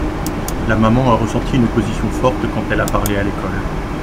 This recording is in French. La maman a ressenti une opposition forte quand elle a parlé à l’école.